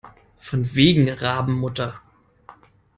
Von wegen Rabenmutter!